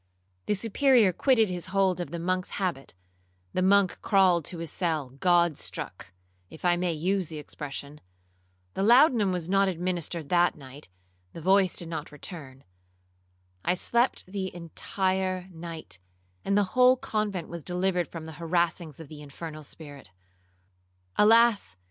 The Superior quitted his hold of the monk's habit,—the monk crawled to his cell God struck, if I may use the expression,—the laudanum was not administered that night,—the voice did not return,—I slept the entire night, and the whole convent was delivered from the harassings of the infernal spirit. Alas!